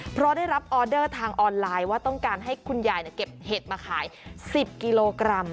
เพราะได้รับออเดอร์ทางออนไลน์ว่าต้องการให้คุณยายเก็บเห็ดมาขาย๑๐กิโลกรัม